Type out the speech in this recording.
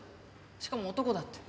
しかも男だって。